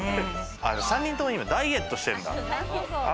３人ともダイエットしてるんだ。